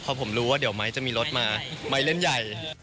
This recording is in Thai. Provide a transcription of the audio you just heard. เพราะผมรู้ว่าเดี๋ยวไม้จะมีรถมาไม้เล่นใหญ่